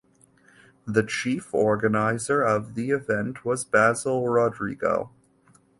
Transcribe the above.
The chief organizer of the event was Basil Rodrigo.